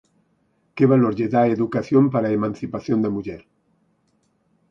Que valor lle dá á educación para a emancipación da muller?